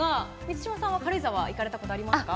満島さんは行かれたことありますか？